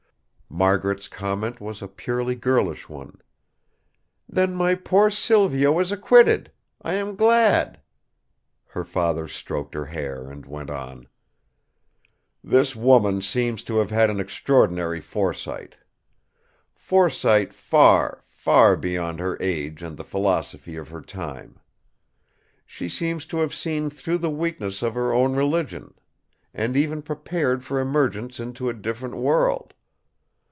Margaret's comment was a purely girlish one: "Then my poor Silvio is acquitted! I am glad!" Her father stroked her hair and went on: "This woman seems to have had an extraordinary foresight. Foresight far, far beyond her age and the philosophy of her time. She seems to have seen through the weakness of her own religion, and even prepared for emergence into a different world.